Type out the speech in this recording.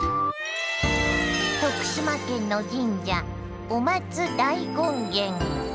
徳島県の神社お松大権現。